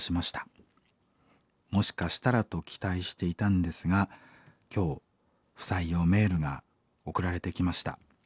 もしかしたらと期待していたんですが今日不採用メールが送られてきました。